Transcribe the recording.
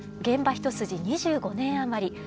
現場一筋２５年余り。